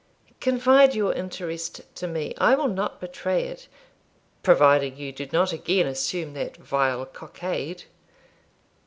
Confide your interest to me; I will not betray it, providing you do not again assume that vile cockade.'